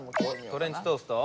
トレンチトースト？